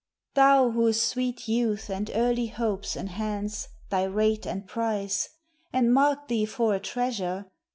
Thou whose sweet youth and early hopes enhance Thy rate and price, and mark thee for a treasure.